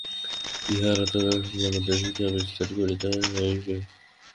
ইহার অর্থ, জনসাধারণের মধ্যে শিক্ষাবিস্তার করিতে হইবে।